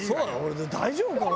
大丈夫かな？